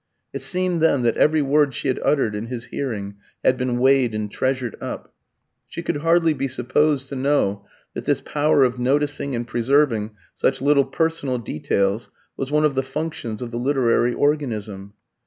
It seemed, then, that every word she had uttered in his hearing had been weighed and treasured up. She could hardly be supposed to know that this power of noticing and preserving such little personal details was one of the functions of the literary organism.